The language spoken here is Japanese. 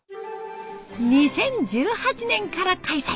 ２０１８年から開催